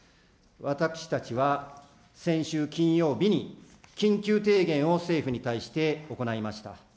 私たちは、先週金曜日に緊急提言を政府に対して行いました。